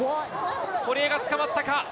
堀江が捕まったか。